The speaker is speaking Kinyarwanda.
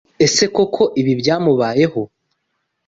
Ese koko ibi byamubayeho?